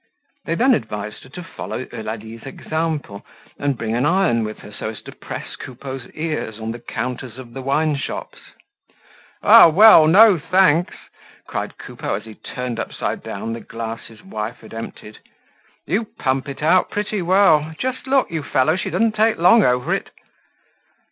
They then advised her to follow Eulalie's example and bring an iron with her so as to press Coupeau's ears on the counters of the wineshops. "Ah, well, no thanks," cried Coupeau as he turned upside down the glass his wife had emptied. "You pump it out pretty well. Just look, you fellows, she doesn't take long over it."